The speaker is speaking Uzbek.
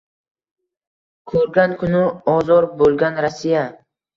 Ko’rgan kuni ozor bo’lgan Rossiya